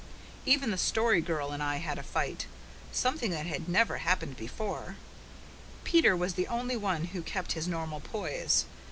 Even the Story Girl and I had a fight something that had never happened before. Peter was the only one who kept his normal poise.